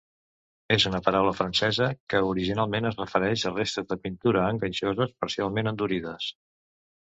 És una paraula francesa que originalment es refereix a restes de pintura enganxoses, parcialment endurides.